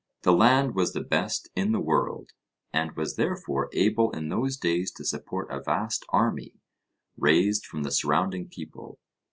The land was the best in the world, and was therefore able in those days to support a vast army, raised from the surrounding people.